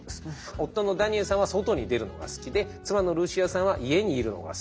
夫のダニエルさんは外に出るのが好きで妻のルシアさんは家にいるのが好き。